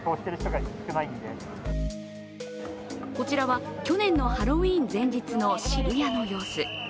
こちらは去年のハロウィーン前日の渋谷の様子。